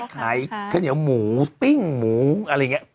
ขายข้าวเหนียวหมูปิ้งหมูอะไรอย่างนี้